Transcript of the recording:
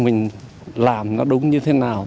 mình làm nó đúng như thế nào